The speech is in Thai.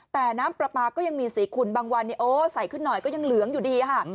แต่น้ำปลาปลาก็ยังมีสีขุนบางวันใส่ขึ้นหน่อยก็ยังเหลืองอยู่ดีค่ะ